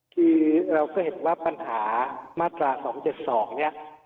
คือเราก็เห็นว่าปัญหามาตรา๒๗๒เนี่ย